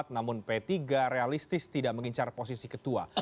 namun p tiga realistis tidak mengincar posisi ketua